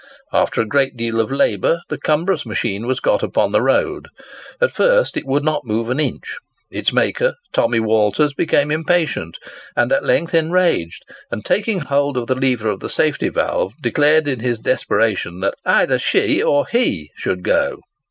After a great deal of labour, the cumbrous machine was got upon the road. At first it would not move an inch. Its maker, Tommy Waters, became impatient, and at length enraged, and taking hold of the lever of the safety valve, declared in his desperation, that "either she or he should go."